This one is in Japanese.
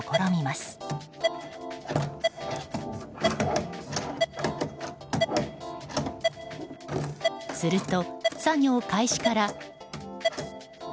すると、作業開始から。